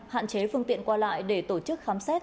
hạn chế phương tiện qua lại để tổ chức khám xét